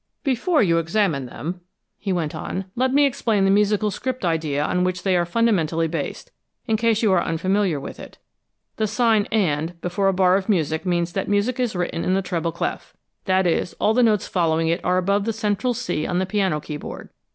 "Before you examine them," he went on, "let me explain the musical script idea on which they are fundamentally based, in case you are unfamiliar with it. The sign '&' before a bar of music means that music is written in the treble clef that is, all the notes following it are above the central C on the piano keyboard.